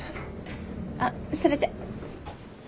あっそれじゃ。